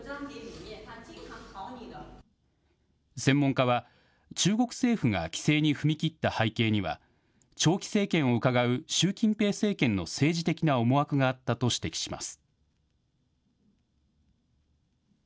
専門家は、中国政府が規制に踏み切った背景には、長期政権をうかがう習近平政権の政治的な思惑があったと指摘します。